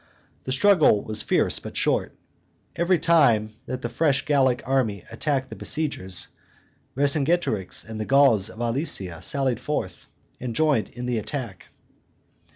The struggle was fierce, but short. Every time that the fresh Gallic army attacked the besiegers, Vercingetorix and the Gauls of Alesia sallied forth, and joined in the attack.